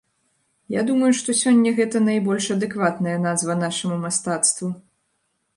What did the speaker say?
Я думаю, што сёння гэта найбольш адэкватная назва нашаму мастацтву.